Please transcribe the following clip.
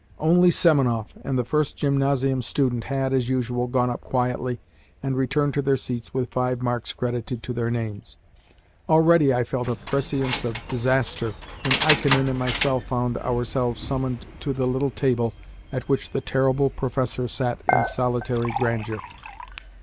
Only Semenoff and the first gymnasium student had, as usual, gone up quietly, and returned to their seats with five marks credited to their names. Already I felt a prescience of disaster when Ikonin and myself found ourselves summoned to the little table at which the terrible professor sat in solitary grandeur.